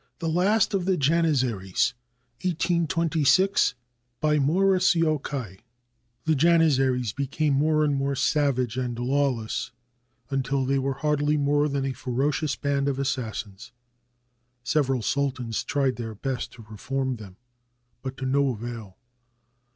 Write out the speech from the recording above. THE LAST OF THE JANIZARIES BY MAURUS JOKAI [The Janizaries became more and more savage and lawless until they were hardly more than a ferocious band of assas sins. Several sultans tried their best to reform them, but to no avail.